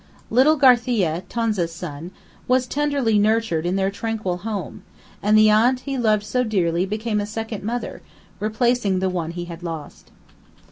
Little Garcia, Tonza's son, was tenderly nurtured in their tranquil home, and the aunt he loved so dearly became a second mother, replacing the one he had lost.